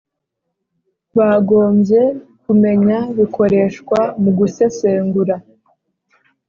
Bagombye kumenya bikoreshwa mu gusesengura.